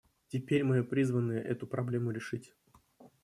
Теперь мы призваны эту проблему решить.